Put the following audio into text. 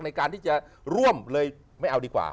ในการที่จะร่วมเลยไม่เอาดีกว่า